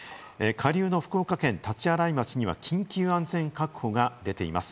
下流の福岡県大刀洗町には緊急安全確保が出ています。